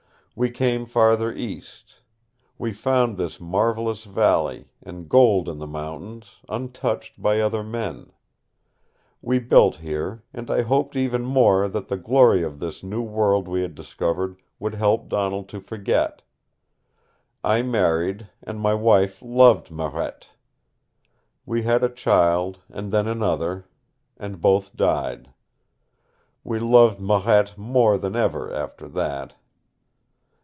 We came farther east. We found this marvelous valley, and gold in the mountains, untouched by other men. We built here, and I hoped even more that the glory of this new world we had discovered would help Donald to forget. I married, and my wife loved Marette. We had a child, and then another, and both died. We loved Marette more than ever after that.